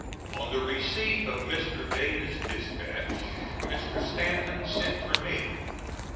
On the receipt of Mr. Dana's dispatch Mr. Stanton sent for me.